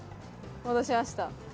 戻しました。